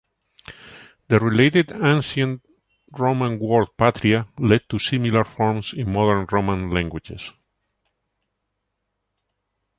The related Ancient Roman word "Patria" led to similar forms in modern Romance languages.